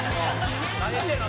「何してんの？